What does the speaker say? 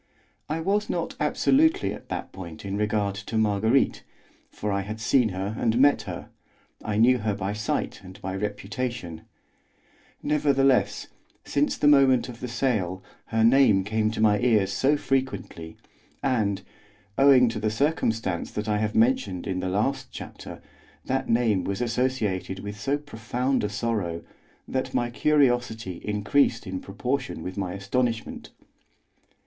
I was not absolutely at that point in regard to Marguerite, for I had seen and met her, I knew her by sight and by reputation; nevertheless, since the moment of the sale, her name came to my ears so frequently, and, owing to the circumstance that I have mentioned in the last chapter, that name was associated with so profound a sorrow, that my curiosity increased in proportion with my astonishment.